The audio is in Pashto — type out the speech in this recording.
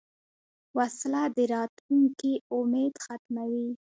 وسله د راتلونکې امید ختموي